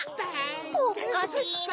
おっかしいな。